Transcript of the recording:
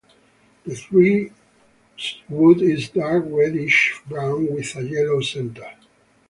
The tree's wood is dark reddish brown with a yellow center.